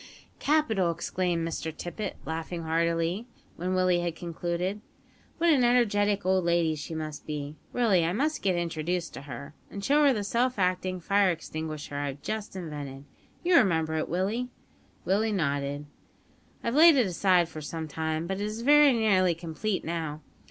"Capital!" exclaimed Mr Tippet, laughing heartily, when Willie had concluded; "what an energetic old lady she must be! Really, I must get introduced to her, and show her the self acting fire extinguisher I have just invented. You remember it, Willie?" Willie nodded. "I've laid it aside for some time; but it is very nearly complete now.